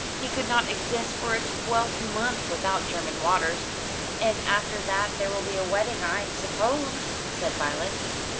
He could not exist for a twelvemonth without German waters." "And after that there will be a wedding, I suppose?" said Violet.